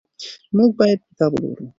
موږ باید کتاب ولولو.